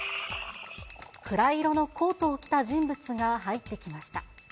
暗い色のコートを着た人物が入ってきました。